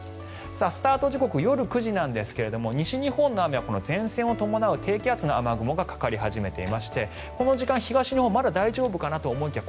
スタート時刻、夜９時なんですが西日本の雨はこの前線を伴う低気圧の雨雲がかかり始めていましてこの時間、東日本はまだ大丈夫かなと思いきや